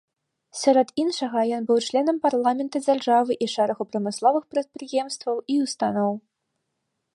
Сярод іншага, ён быў членам парламента дзяржавы і шэрагу прамысловых прадпрыемстваў і ўстаноў.